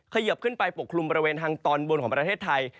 เขยิบขึ้นไปปกคลุมบริเวณทางตอนบนของประเทศไทย